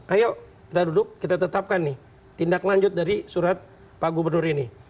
ayo kita duduk kita tetapkan nih tindak lanjut dari surat pak gubernur ini